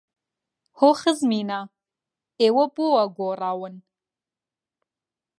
هۆ خزمینە، ئێوە بۆ وا گۆڕاون!